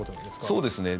そうですね。